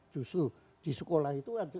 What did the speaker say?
justru di sekolah itu